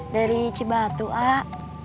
dari cibatu ah